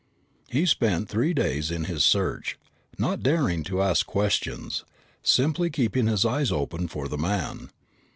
He spent three days in his search, not daring to ask questions, simply keeping his eyes open for the man.